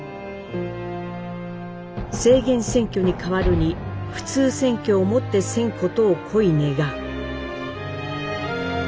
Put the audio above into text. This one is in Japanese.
「制限選挙に代わるに普通選挙をもってせんことをこいねがう」。